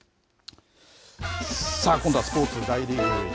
さあ今度はスポーツ大リーグです。